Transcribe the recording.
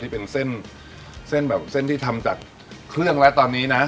เป็นเส้นที่ทำจากเครื่องและตอนนี้นะ